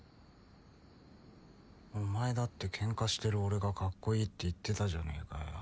お前だってケンカしてる俺がかっこいいって言ってたじゃねぇかよ。